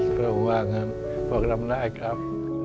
ก็ว่างั้นบอกลำได้ครับ